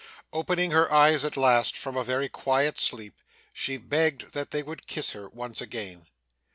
Opening her eyes at last, from a very quiet sleep, she begged that they would kiss her once again.